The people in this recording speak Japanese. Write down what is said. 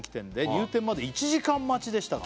「入店まで１時間待ちでしたが」